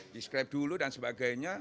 di scribe dulu dan sebagainya